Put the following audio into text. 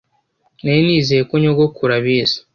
nari nizeye ko nyogokuru abizi